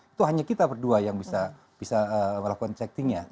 itu hanya kita berdua yang bisa melakukan checkingnya